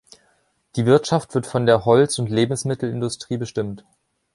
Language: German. Die Wirtschaft wird von der Holz- und Lebensmittelindustrie bestimmt.